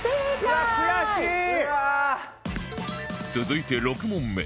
続いて６問目